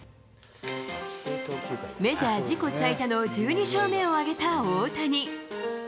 メジャー自己最多の１２勝目を挙げた大谷。